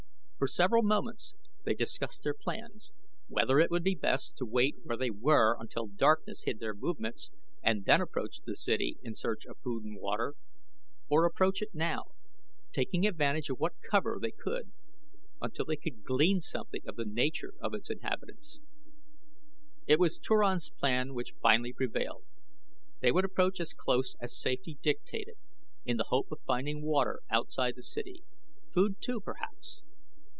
For several moments they discussed their plans whether it would be best to wait where they were until darkness hid their movements and then approach the city in search of food and water, or approach it now, taking advantage of what cover they could, until they could glean something of the nature of its inhabitants. It was Turan's plan which finally prevailed. They would approach as close as safety dictated in the hope of finding water outside the city; food, too, perhaps.